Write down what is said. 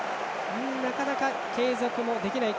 なかなか継続もできない。